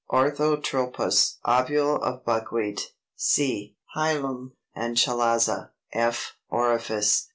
Orthotropous ovule of Buckwheat: c, hilum and chalaza; f, orifice.